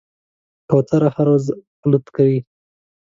کوتره هره ورځ الوت کوي.